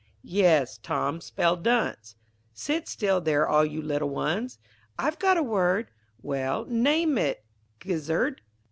_ Yes, Tom spell dunce. Sit still there all you little ones. I've got a word, Well, name it. _Gizzard.